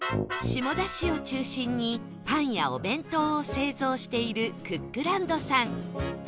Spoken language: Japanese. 下田市を中心にパンやお弁当を製造しているクックランドさん